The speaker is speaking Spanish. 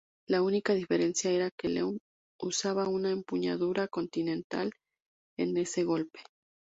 La única diferencia era que Lendl usaba una empuñadura ""continental"" en ese golpe.